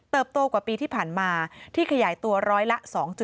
เติบโตกว่าปีที่ผ่านมาที่ขยายตัว๑๐๐ละ๒๘